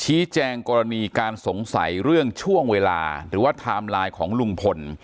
ชี้แจงกรณีการสงสัยเรื่องช่วงเวลาหรือว่าของลุงพล